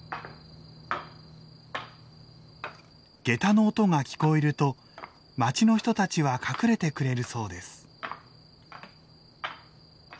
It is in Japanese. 下駄の音が聞こえると町の人たちは隠れてくれるそうです。